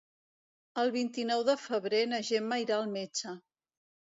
El vint-i-nou de febrer na Gemma irà al metge.